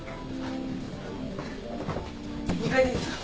・２階でいいですか？